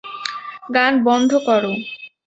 গান বন্ধ কর।